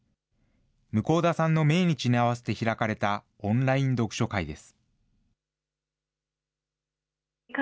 向田さんの命日に合わせて開かれたオンライン読書会です。